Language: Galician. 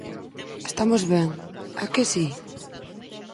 Estamos ben, a que si?